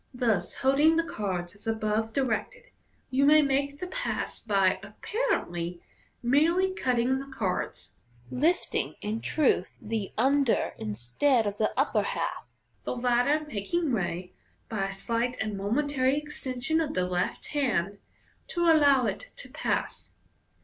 Thus, holding the cards as above directed, you may make the pass by (apparently) merely cutting the cards, lifting, in truth, the under instead of the upper half, the latter making way (by a slight and momentary extension of the left hand) to allow it to pass.